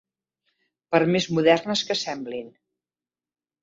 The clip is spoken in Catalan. Per més modernes que semblin.